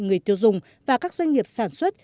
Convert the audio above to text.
người tiêu dùng và các doanh nghiệp sản xuất